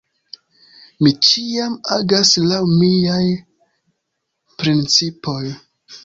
Mi ĉiam agas laŭ miaj principoj.